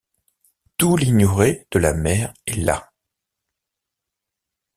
Tout l’ignoré de la mer est là.